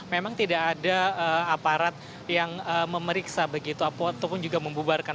memang tidak ada aparat yang memeriksa begitu ataupun juga membubarkan